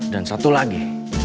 dan satu lagi